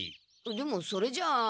でもそれじゃあ。